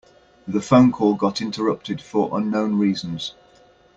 The phone call got interrupted for unknown reasons.